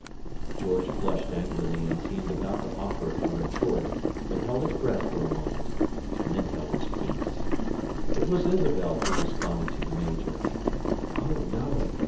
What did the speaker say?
George flushed angrily and seemed about to offer a retort, but held his breath for a moment; and then held his peace. It was Isabel who responded to the Major. "Oh, no!"